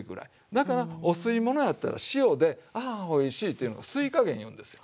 だからお吸い物やったら塩でああおいしいっていうのが「吸いかげん」言うんですよ。